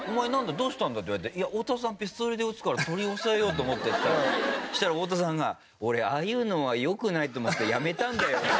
どうしたんだ？」って言われて「太田さんピストルで撃つから取り押さえようと思って」って言ったらそしたら太田さんが「俺ああいうのは良くないと思ってやめたんだよ」っつって。